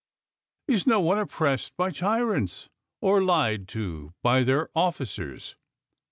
Is no one oppressed by tyrants or lied to by their officers."